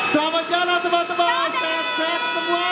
selamat jalan teman teman sem sem semua